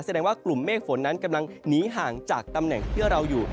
แสดงว่ากลุ่มเมฆฝนนั้นกำลังหนีห่างจากตำแหน่งที่เราอยู่